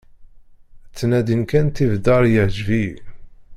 Ttnadin kan tibdar "iɛǧeb-iyi".